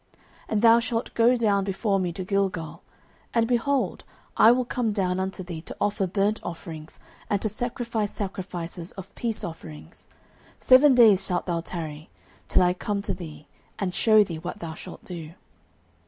09:010:008 And thou shalt go down before me to Gilgal; and, behold, I will come down unto thee, to offer burnt offerings, and to sacrifice sacrifices of peace offerings: seven days shalt thou tarry, till I come to thee, and shew thee what thou shalt do.